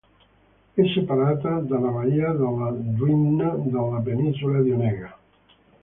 È separata dalla baia della Dvina dalla penisola di Onega.